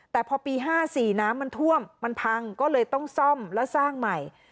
แต่พอปี๕๔น้ำมันท่วมมันพังก็เลยต้องซ่อมและสร้างใหม่